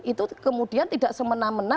itu kemudian tidak semena mena